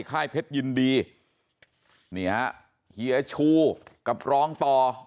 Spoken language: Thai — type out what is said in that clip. ค่ายเพชรยินดีนี่ฮะเฮียชูกับรองต่อ